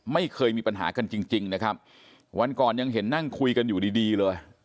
ไม่เคยมีปัญหากันจริงจริงนะครับวันก่อนยังเห็นนั่งคุยกันอยู่ดีดีเลย